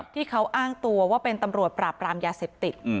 ที่เขาอ้างตัวว่าเป็นตำรวจปราบรามยาเสพติด